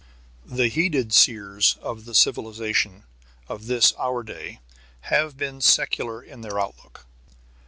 The heeded seers of the civilization of this our day have been secular in their outlook.